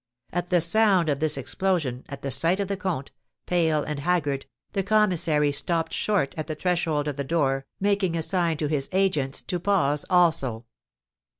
At the sound of this explosion, at the sight of the comte, pale and haggard, the commissary stopped short at the threshold of the door, making a sign to his agents to pause also.